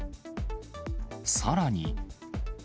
さらに。